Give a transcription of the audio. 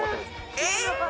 えっ！